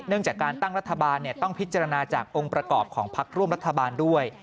จากการตั้งรัฐบาลต้องพิจารณาจากองค์ประกอบของพักร่วมรัฐบาลด้วย